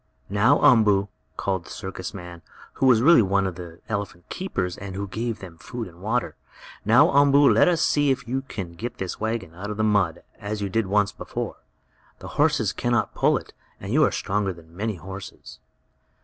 "Now, Umboo!" called the circus man, who was really one of the elephant keepers, and who gave them food and water, "now, Umboo, let us see if you can get this wagon out of the mud, as you did once before. The horses can not pull it, but you are stronger than many horses."